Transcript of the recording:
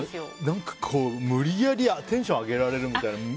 何か、無理やりテンション上げられるみたいな。